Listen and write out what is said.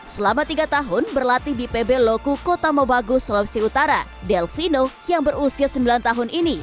selama tiga tahun berlatih di pb loku kota mobagus sulawesi utara delvino yang berusia sembilan tahun ini